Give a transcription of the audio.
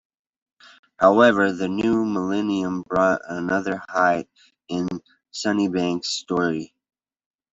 However, the new millennium brought another high in Sunnybank's story.